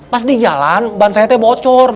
pas di jalan bansainya bocor